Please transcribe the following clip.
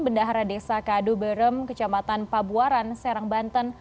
bendahara desa kadu berem kecamatan pabuaran serang banten